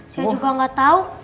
saya juga gak tau